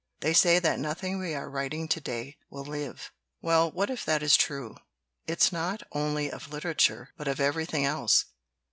They say that nothing we are writing to day will live. Well, what if that is true? It's true not only of litera ture, but of everything else.